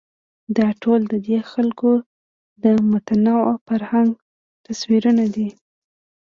دا ټول ددې خلکو د متنوع فرهنګ تصویرونه دي.